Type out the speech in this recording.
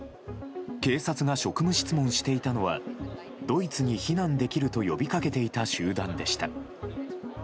警察が職務質問していたのはドイツに避難できると呼びかけていた集団でした。